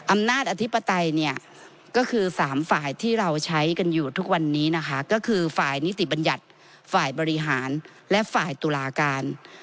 อำนาจอธิปไตยเนี่ยก็คือ๓ฝ่ายที่เราใช้กันอยู่ทุกวันนี้นะคะก็คือฝ่ายนิติบัญญัติฝ่ายบริหารและฝ่ายตุลาการ